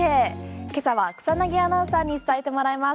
今朝は草薙アナウンサーに伝えてもらいます。